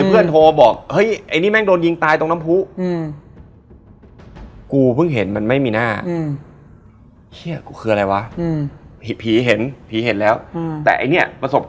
ระหว่างที่นั่งเรือไป